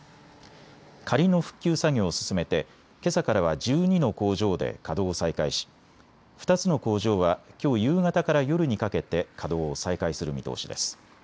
仮の復旧作業を進めてけさからは１２の工場で稼働を再開し２つの工場はきょう夕方から夜にかけて稼働を再開する見通しです。